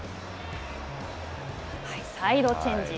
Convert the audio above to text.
サイドチェンジ。